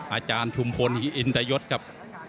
อาจารย์ชุมพลอินตยศครับ